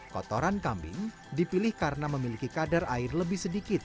kotoran kambing dipilih karena memiliki kadar air lebih sedikit